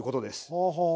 はあはあ。